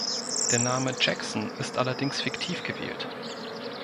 Der Name „Jackson“ ist allerdings fiktiv gewählt.